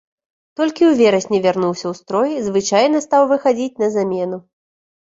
Толькі ў верасні вярнуўся ў строй, звычайна стаў выхадзіць на замену.